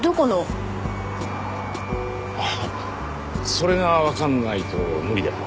それが分かんないと無理だよ。